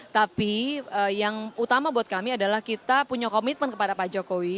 tapi yang utama buat kami adalah kita punya komitmen kepada pak jokowi